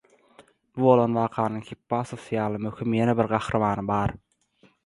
Bu bolan wakanyň Hippasus ýaly möhüm ýene bir gahrymany bar.